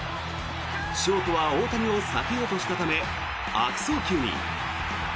ショートは大谷を避けようとしたため悪送球に。